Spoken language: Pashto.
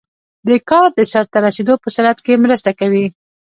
د کار د سرته رسیدو په سرعت کې مرسته کوي.